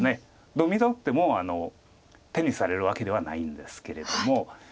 ノビなくても手にされるわけではないんですけれども。